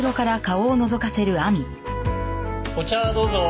お茶どうぞ。